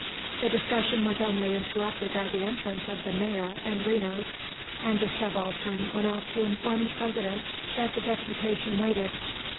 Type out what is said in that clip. The discussion was only interrupted by the entrance of the Mayor and Renos, and the Subaltern went off to inform the President that the deputation waited.